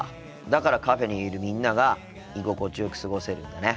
だからカフェにいるみんなが居心地よく過ごせるんだね。